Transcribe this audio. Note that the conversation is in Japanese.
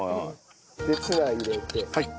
ツナ入れて。